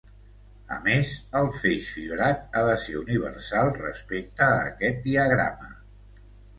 A més, el feix fibrat ha de ser universal respecte a aquest diagrama.